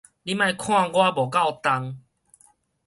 你莫看我無夠重